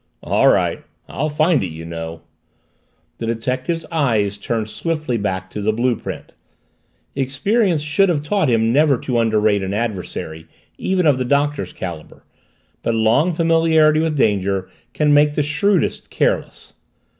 "All right I'll find it, you know." The detective's eyes turned swiftly back to the blue print. Experience should have taught him never to underrate an adversary, even of the Doctor's caliber, but long familiarity with danger can make the shrewdest careless.